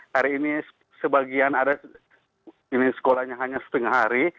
hari ini sebagian sekolah hanya setengah hari